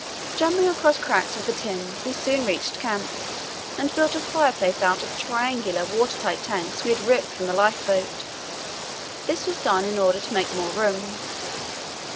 Jumping across cracks with the tins, we soon reached camp, and built a fireplace out of the triangular water tight tanks we had ripped from the lifeboat. This we had done in order to make more room.